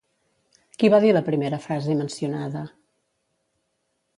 Qui va dir la primera frase mencionada?